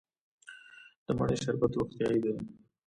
د مڼې شربت روغتیایی دی.